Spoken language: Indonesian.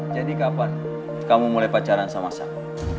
jadi kapan kamu mulai pacaran sama sam